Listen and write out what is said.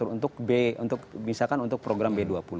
untuk b untuk misalkan untuk program b dua puluh